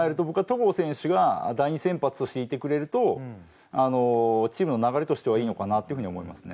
僕は戸郷選手が第２先発としていてくれるとチームの流れとしてはいいのかなっていうふうに思いますね。